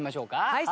はい。